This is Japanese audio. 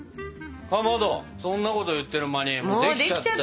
かまどそんなこと言ってる間にもうできちゃったよ。